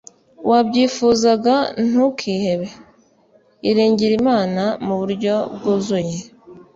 wabyifuzaga ntukihebe. iringire imana mu buryo bwuzuye